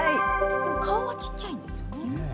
でも顔は小っちゃいんですよね。